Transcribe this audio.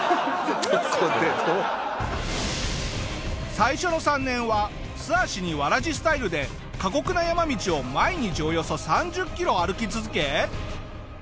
最初の３年は素足に草鞋スタイルで過酷な山道を毎日およそ３０キロ歩き続け。